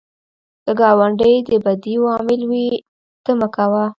که ګاونډی د بدیو عامل وي، ته مه کوه